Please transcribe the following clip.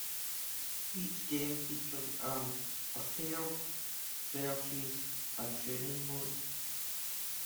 Each game features an "Arcade", "Versus" and "Training" mode.